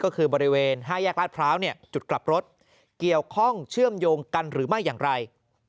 ก็คือบริเวณ๕แยกลาดพร้าวจุดกลับรถเกี่ยวข้องเชื่อมโยงกันหรือไม่อย่างไร